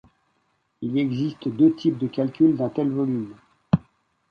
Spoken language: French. Il existe deux types de calcul d'un tel volume.